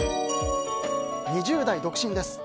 ２０代独身です。